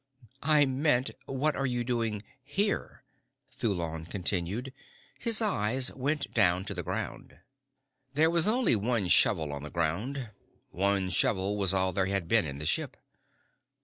"I meant, what are you doing here?" Thulon continued. His eyes went down to the ground. There was only one shovel on the ground. One shovel was all there had been in the ship.